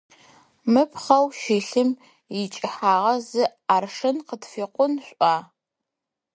Мы пхъэу щылъым икӏыхьагъэ зы аршын, къытфикъун шӏуӏуа?